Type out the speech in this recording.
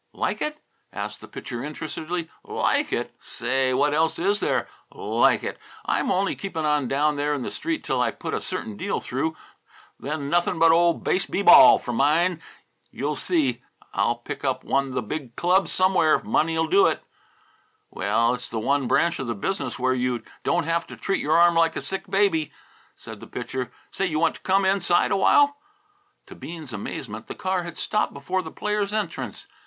"Like it?" asked the Pitcher, interestedly. "Like it! Say, what else is there? Like it! I'm only keeping on down there in the Street till I put a certain deal through; then nothing but old Base B. Ball for mine! You'll see. I'll pick up one the big clubs somewhere if money'll do it!" "Well, it's the one branch of the business where you don't have to treat your arm like a sick baby," said the Pitcher. "Say, you want to come inside a while?" To Bean's amazement the car had stopped before the players' entrance.